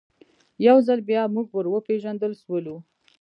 یو ځل بیا موږ ور وپېژندل سولو.